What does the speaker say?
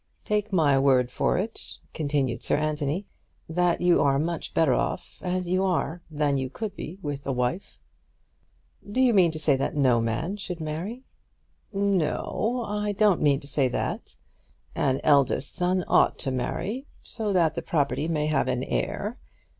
"Take my word for it," continued Sir Anthony, "that you are much better off as you are than you could be with a wife." "Do you mean to say that no man should marry?" "No; I don't mean to say that. An eldest son ought to marry, so that the property may have an heir.